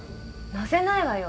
載せないわよ！